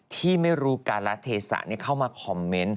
ที่ไม่รู้การละเทศะเข้ามาคอมเมนต์